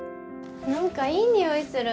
何かいい匂いする。